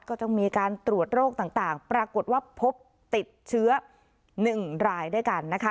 ก็จะมีการตรวจโรคต่างต่างปรากฏว่าพบติดเชื้อหนึ่งรายด้วยกันนะคะ